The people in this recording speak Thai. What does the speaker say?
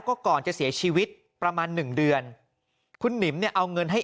ก็ก่อนจะเสียชีวิตประมาณหนึ่งเดือนคุณหนิมเนี่ยเอาเงินให้